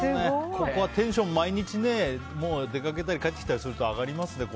ここはテンション、毎日出かけたり帰ったりすると上がりますね。